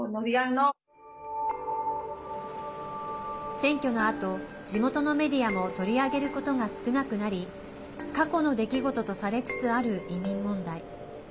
選挙のあと、地元のメディアも取り上げることが少なくなり過去の出来事とされつつある移民問題。